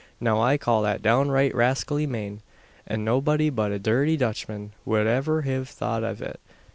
Now I call that downright rascally mane; an nobody but a dhirty Dutchman wud iver hiv thought av it.